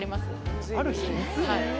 はい。